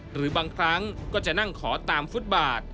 หรือบางครั้งก็จะนั่งขอตามฟุตบาท